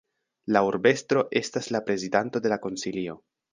La urbestro estas la prezidanto de la konsilio.